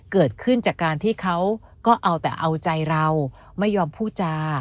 เกิดขึ้นจากการที่เขาก็เอาแต่เอาใจเราไม่ยอมพูดจา